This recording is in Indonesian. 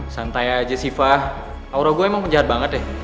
santai aja sih viva aura gue emang jahat banget deh